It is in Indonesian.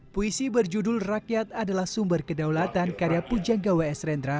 puisi berjudul rakyat adalah sumber kedaulatan karya pujang gawai s rendra